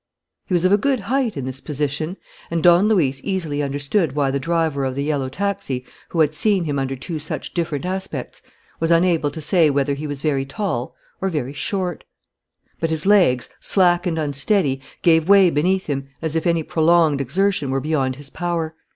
He was of a good height in this position; and Don Luis easily understood why the driver of the yellow taxi, who had seen him under two such different aspects, was unable to say whether he was very tall or very short. But his legs, slack and unsteady, gave way beneath him, as if any prolonged exertion were beyond his power.